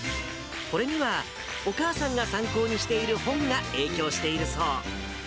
これには、お母さんが参考にしている本が影響しているそう。